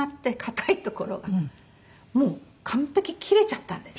もう完璧切れちゃったんです